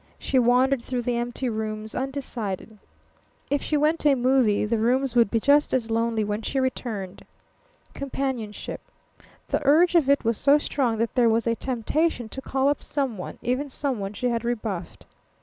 She wandered through the empty rooms, undecided. If she went to a movie the rooms would be just as lonely when she returned. Companionship. The urge of it was so strong that there was a temptation to call up someone, even someone she had rebuffed.